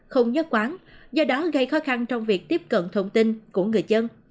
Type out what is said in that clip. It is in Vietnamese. không nhất quán do đó gây khó khăn trong việc tiếp cận thông tin của người dân